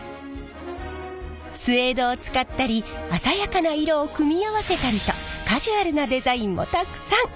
スエードを使ったり鮮やかな色を組み合わせたりとカジュアルなデザインもたくさん！